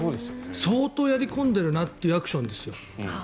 相当やり込んでいるなというアクションですよ。